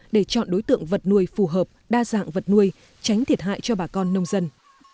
để chọn đối tượng vật nuôi phù hợp đa dạng vật nuôi tránh thiệt hại cho bà con nông dân